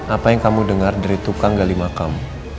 apa yang kamu dengar dari tukang gali makam